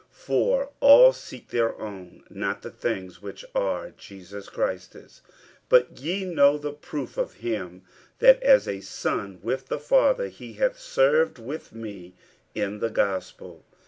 50:002:021 For all seek their own, not the things which are Jesus Christ's. 50:002:022 But ye know the proof of him, that, as a son with the father, he hath served with me in the gospel.